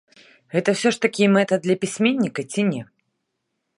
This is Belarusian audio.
Гэта ўсё ж такі мэта для пісьменніка ці не?